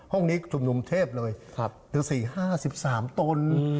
ห้องนี้ธุมนุมเทพเลยถึง๔๕สิบสามต้น